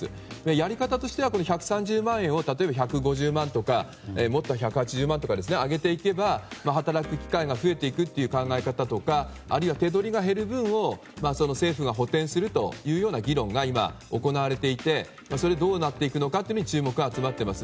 やり方としては１３０万円を例えば１５０万とかもっと、１８０万とかに上げていけば働く機会が増えていくという考え方とかあるいは手取りが減る分を政府が補填するというような議論が今行われていてそれがどうなっていくのか注目が集まっています。